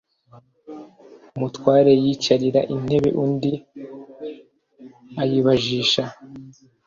Umutware yicarira intebe undi ayibajisha.